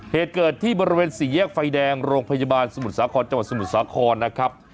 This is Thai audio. เหตุเกิดที่บริเวณสี่แยกไฟแดงโรงพยาบาลสมุทรสาครจังหวัดสมุทรสาครนะครับ